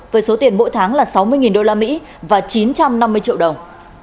với số tiền mỗi tháng là sáu mươi usd và chín trăm năm mươi triệu đồng